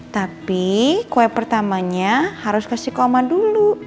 tapi kue pertamanya harus kasih ke oma dulu